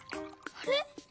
あれ？